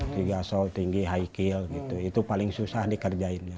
tiga sole tinggi high heel itu paling susah dikerjain